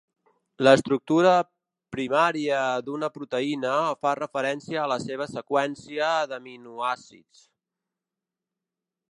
L'estructura primària d'una proteïna fa referència a la seva seqüència d'aminoàcids.